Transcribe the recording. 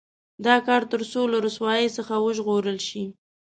دا کار تر څو له رسوایۍ څخه وژغورل شي.